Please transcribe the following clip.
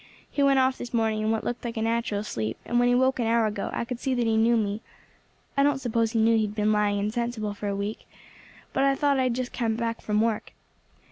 He went off this morning in what looked like a natural sleep, and when he woke, an hour ago, I could see that he knew me. I don't suppose he knew he had been lying insensible for a week, but thought I had just come back from work.